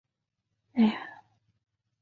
给他一个小盒子